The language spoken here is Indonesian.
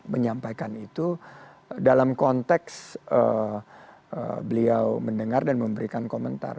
menyampaikan itu dalam konteks beliau mendengar dan memberikan komentar